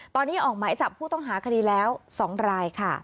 ตอนนี้ออกหมายจับผู้ต้องหาคดีแล้ว๒รายค่ะ